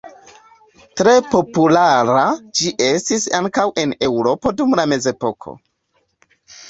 Tre populara ĝi estis ankaŭ en Eŭropo dum la mezepoko.